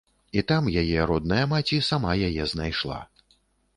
І там яе родная маці сама яе знайшла.